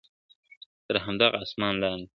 تر همدغه آسمان لاندي !.